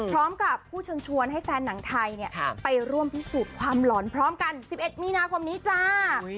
พร้อมกับผู้เชิญชวนให้แฟนหนังไทยไปร่วมพิสูจน์ความหลอนพร้อมกัน๑๑มีนาคมนี้จ้า